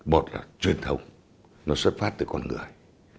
một là truyền thống nó xuất phát từ con người